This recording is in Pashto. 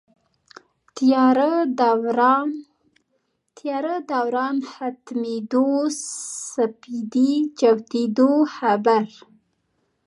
تیاره دوران ختمېدو سپېدې جوتېدو خبر